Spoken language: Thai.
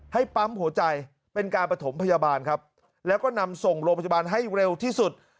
ปั๊มหัวใจเป็นการประถมพยาบาลครับแล้วก็นำส่งโรงพยาบาลให้เร็วที่สุด